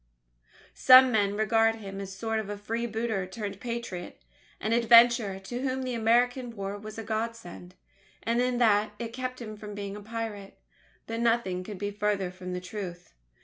Some men regard him as a sort of freebooter turned Patriot an adventurer to whom the American War was a God send, in that it kept him from being a pirate. But nothing could be farther from the truth.